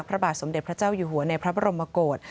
พระบาทสมเด็จพระเจ้าอยู่หัวในพระบรมกฏ